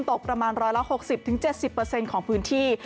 ตกประมาณ๑๖๐๗๐ของพื้นที่